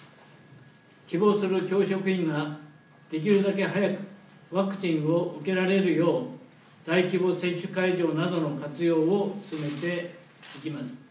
希望する教職員ができるだけ早くワクチンを受けられるよう大規模接種会場などの活用を進めていきます。